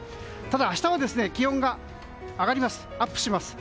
ただ、明日は気温が上がります。